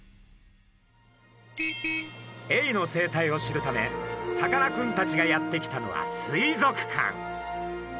エイの生態を知るためさかなクンたちがやって来たのは水族館。